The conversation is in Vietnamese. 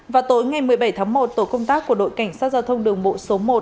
vào tối ngày một mươi bảy tháng một tổ công tác của đội cảnh sát giao thông đường bộ số một